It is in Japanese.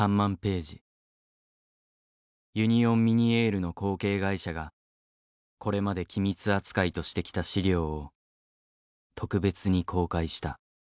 ユニオン・ミニエールの後継会社がこれまで機密扱いとしてきた資料を特別に公開した。